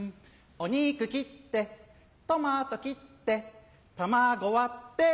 お肉切ってトマト切って卵割って